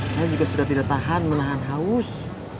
saya juga sudah tidak tahan menahan haus